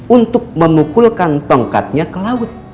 untuk memukulkan tongkatnya ke laut